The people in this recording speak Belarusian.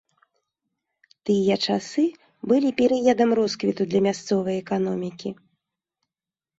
Тыя часы былі перыядам росквіту для мясцовай эканомікі.